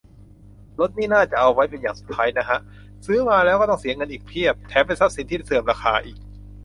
รถนี่น่าจะเอาไว้เป็นอย่างสุดท้ายนะฮะ ซื้อมาแล้วต้องเสียเงินอีกเพียบ แถมเป็นทรัพย์สินที่เสื่อมราคาอีก